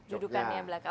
dudukannya yang belakang